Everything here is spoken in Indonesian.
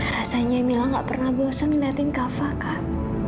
rasanya mila tidak pernah bosan melihat kava kak